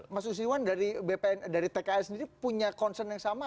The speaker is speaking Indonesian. mas usiwan dari tks ini punya concern yang sama